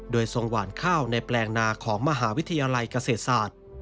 โดยทรงหวานข้าวในแปลงนาของมหาวิทยาลัยเกษตรศาสตร์